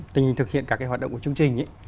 tình hình thực hiện các hoạt động của chương trình